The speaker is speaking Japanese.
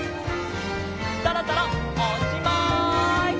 そろそろおっしまい！